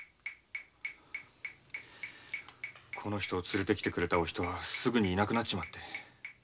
連れて来てくれたお人がすぐいなくなっちまって。